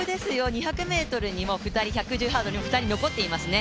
２００ｍにも２人１１０ｍハードルにも２人残っていますね。